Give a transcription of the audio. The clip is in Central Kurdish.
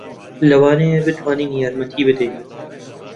لەوانەیە بتوانین یارمەتی بدەین.